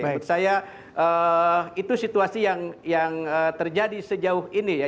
menurut saya itu situasi yang terjadi sejauh ini ya